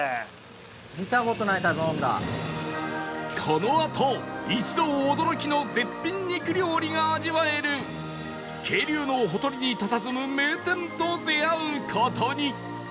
このあと一同驚きの絶品肉料理が味わえる渓流のほとりにたたずむ名店と出会う事に